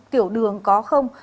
tiểu đường có không